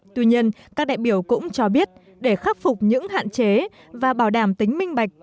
tuy nhiên các đại biểu cũng cho biết để khắc phục những hạn chế và bảo đảm tính minh bạch